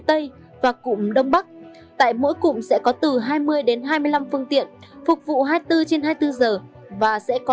tây và cụm đông bắc tại mỗi cụm sẽ có từ hai mươi đến hai mươi năm phương tiện phục vụ hai mươi bốn trên hai mươi bốn giờ và sẽ có